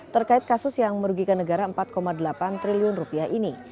terkait kasus yang merugikan negara empat delapan triliun rupiah ini